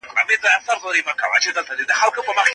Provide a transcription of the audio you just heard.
نوي وسایل تر زړو هغو ډېر ګټور دي.